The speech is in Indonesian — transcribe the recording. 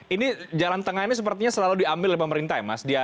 ini jalan tengah ini sepertinya selalu diambil oleh pemerintah ya mas